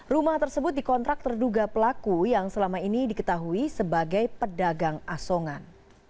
rumah tersebut dikontrak terduga pelaku yang selama ini diketahui sebagai pedagang asongan